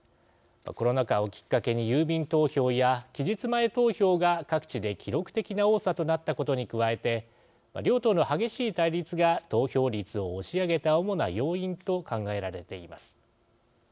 コロナ禍をきっかけに郵便投票や期日前投票が各地で記録的な多さとなったことに加えて両党の激しい対立が投票率を押し上げた主な要因と考えられています。